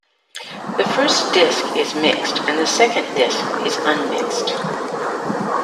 The first disc is mixed and the second disc is unmixed.